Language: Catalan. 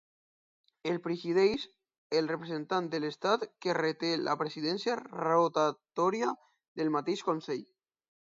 El presideix el representant de l'Estat que reté la presidència rotatòria del mateix Consell.